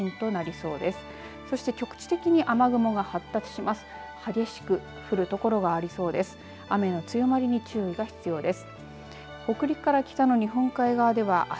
そして局地的に雨雲が発達します。